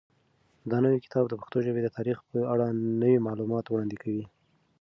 دا نوی کتاب د پښتو ژبې د تاریخ په اړه نوي معلومات وړاندې کوي.